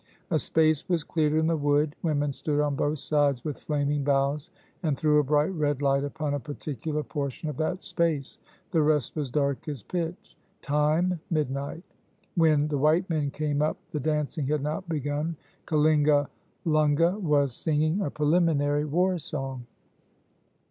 A space was cleared in the wood, women stood on both sides with flaming boughs and threw a bright red light upon a particular portion of that space; the rest was dark as pitch. Time, midnight. When the white men came up the dancing had not begun. Kalingalunga was singing a preliminary war song.